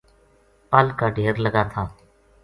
پل کا ڈھیر لگا تھا